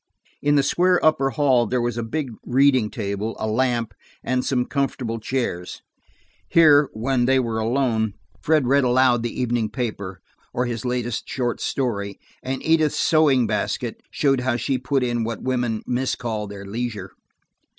In the square upper hall there was a big reading table, a lamp, and some comfortable chairs. Here, when they were alone, Fred read aloud the evening paper, or his latest short story, and Edith's sewing basket showed how she put in what women miscall their leisure.